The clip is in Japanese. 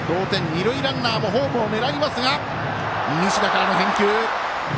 二塁ランナーもホームを狙いましたが西田からの返球。